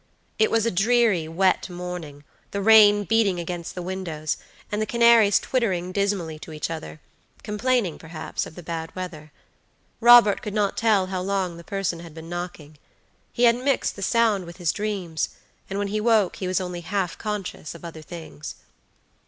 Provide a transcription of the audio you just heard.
It was a dreary, wet morning, the rain beating against the windows, and the canaries twittering dismally to each othercomplaining, perhaps, of the bad weather. Robert could not tell how long the person had been knocking. He had mixed the sound with his dreams, and when he woke he was only half conscious of other things.